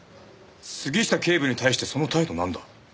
杉下警部に対してその態度なんだ？